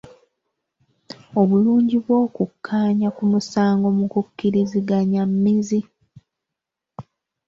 Obulungi bw'okukkaanya ku musango mu kukkiriziganya mmizi.